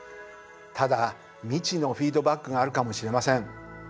ただ未知のフィードバックがあるかもしれません。